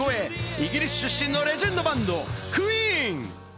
イギリス出身のレジェンドバンド、クイーン。